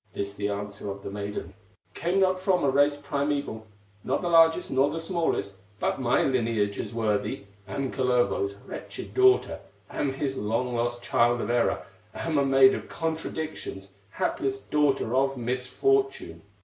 This the answer of the maiden: "Came not from a race primeval, Not the largest, nor the smallest, But my lineage is worthy; Am Kalervo's wretched daughter, Am his long lost child of error, Am a maid of contradictions, Hapless daughter of misfortune.